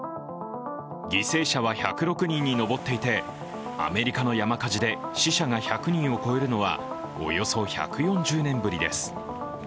犠牲者は１０６人に上っていてアメリカの山火事で死者が１００人を超えるのはおよそ１４０年ぶりです。